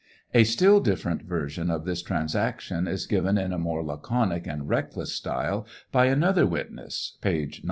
A still different version of this transaction is given in a more laconic and reck less style by another witness, (page 936.)